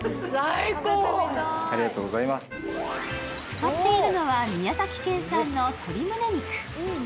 使っているのは宮崎県産の鶏むね肉。